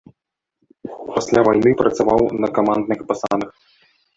Пасля вайны працаваў на камандных пасадах.